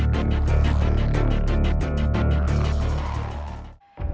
โปรดติดตามตอนต่อไป